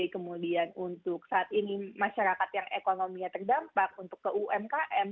kemudian untuk saat ini masyarakat yang ekonominya terdampak untuk ke umkm